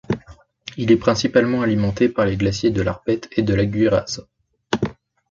Il est principalement alimenté par les glaciers de l'Arpette et de la Gurriaz.